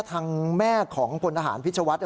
ทางแม่ของพลทหารพิชวัฒน์